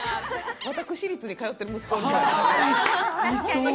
私立に通ってる息子おりそう。